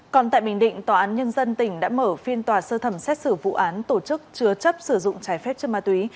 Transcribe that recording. còn tại bình định tòa án nhân dân tỉnh đã mở phiên tòa sơ thẩm xét xử vụ án tổ chức chứa chấp sử dụng trái phép chứa ma túy